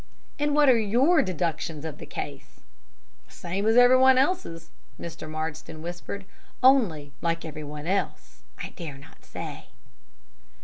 "And what are your deductions of the case?" "The same as everyone else's," Mr. Marsden whispered, "only, like everyone else, I dare not say."